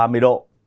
mức ba mươi độ